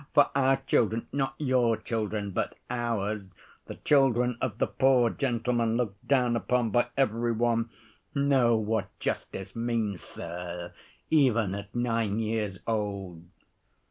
For our children—not your children, but ours—the children of the poor gentlemen looked down upon by every one—know what justice means, sir, even at nine years old.